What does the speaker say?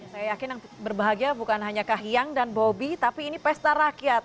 saya yakin yang berbahagia bukan hanya kahiyang dan bobi tapi ini pesta rakyat